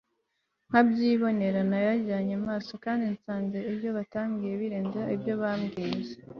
nkabyibonera n'ayanjye maso; kandi nsanze ibyo batambwiye birenze ibyo bambwiye